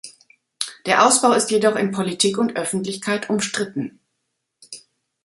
Der Ausbau ist jedoch in Politik und Öffentlichkeit umstritten.